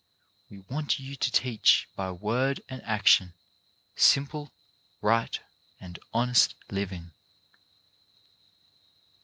We want you to teach by word and action simple, right and honest living.